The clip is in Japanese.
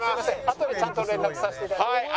あとでちゃんと連絡させて頂きます。